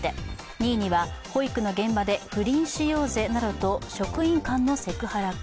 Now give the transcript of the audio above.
２位には、保育の現場で「不倫しようぜ」などと職員間のセクハラか。